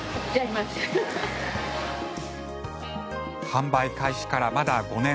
販売開始からまだ５年。